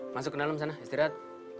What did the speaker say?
masuk ke dalam sana istirahat